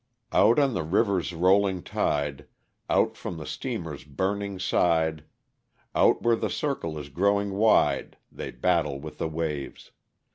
Out on the river's rolling tide, Out from the steamer's burning side. Out where the circle is growing wide. They battle with the waves.